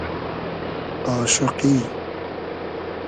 آشوقی